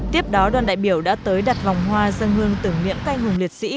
tiếp đó đoàn đại biểu đã tới đặt vòng hoa dân hương tưởng niệm canh hùng liệt sĩ